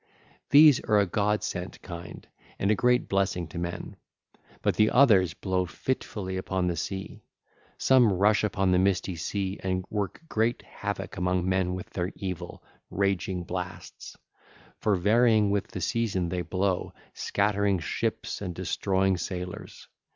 These are a god sent kind, and a great blessing to men; but the others blow fitfully upon the seas. Some rush upon the misty sea and work great havoc among men with their evil, raging blasts; for varying with the season they blow, scattering ships and destroying sailors.